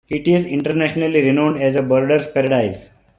It is internationally renowned as a "birders paradise".